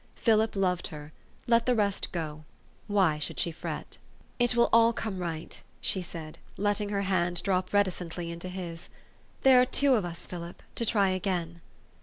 Philip loved her : let the rest go. Why should she fret? "It will all come right," she said, letting her hand drop reticently into his. " There are two of us, Philip, to try again."